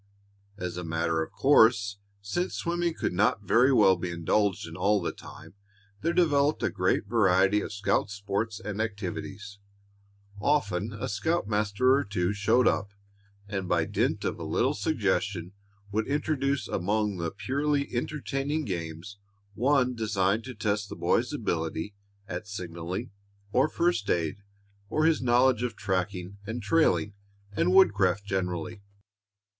As a matter of course, since swimming could not very well be indulged in all the time, there developed a great variety of scout sports and activities. Often a scoutmaster or two showed up, and by dint of a little suggestion would introduce among the purely entertaining games one designed to test the boys' ability at signaling or first aid, or his knowledge of tracking and trailing and woodcraft generally.